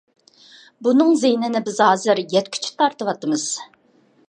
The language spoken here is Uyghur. بۇنىڭ زىيىنىنى بىز ھازىر يەتكۈچە تارتىۋاتىمىز.